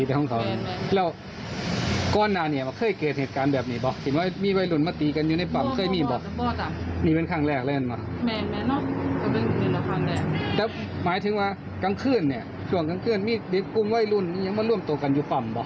เธอเจอสายตัวต้องพื้นบ่อย